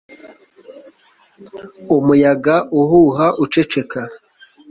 umuyaga uhuha uceceka